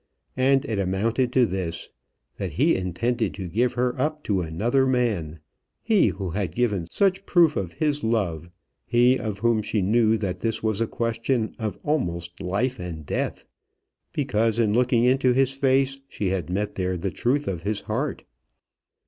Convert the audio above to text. And it amounted to this, that he intended to give her up to another man, he who had given such proof of his love, he, of whom she knew that this was a question of almost life and death, because in looking into his face she had met there the truth of his heart!